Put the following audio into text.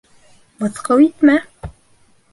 — Мыҫҡыл итмә!